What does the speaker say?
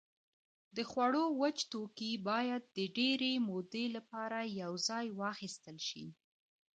د خوړو وچ توکي باید د ډېرې مودې لپاره یوځای واخیستل شي.